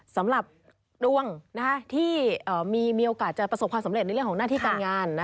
สำหรับดวงที่มีโอกาสจะประสบความสำเร็จในเรื่องของหน้าที่การงาน